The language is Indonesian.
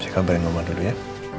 saya kabarin rumah dulu ya